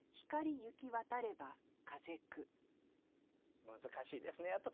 難しいですねやっぱ特選は。